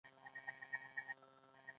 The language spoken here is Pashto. د ناری ولسوالۍ پوله لري